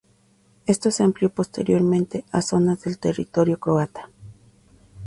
Esto se amplió posteriormente a zonas del territorio croata.